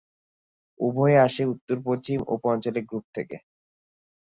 উভয়ই আসে উত্তর-পশ্চিমা উপ অঞ্চলীয় গ্রুপ থেকে।